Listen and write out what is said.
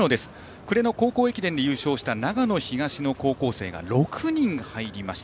暮れの高校駅伝で優勝した長野東の高校生が６人入りました。